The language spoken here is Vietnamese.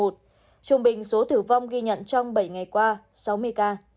trung bình số tử vong ghi nhận trong bảy ngày qua sáu mươi ca